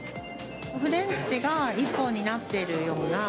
フレンチが一本になってるよ